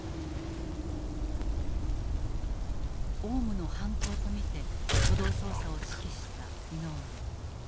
オウムの犯行と見て初動捜査を指揮した井上。